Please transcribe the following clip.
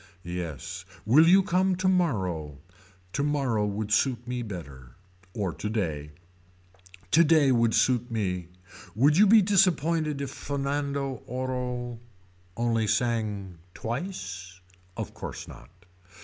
Yes. Will you come tomorrow. Tomorrow would suit me better. Or today. Today would suit me. Would you be disappointed if Fernando Orro only sang twice. Of course not.